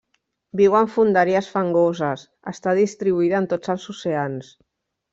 Viu en fondàries fangoses, està distribuïda en tots els oceans.